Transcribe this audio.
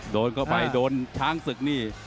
โดนเข้าไปโดนช้างศึกนี่